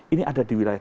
ini ada di wilayah